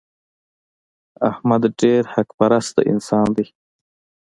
احمد ډېر حق پرسته انسان دی.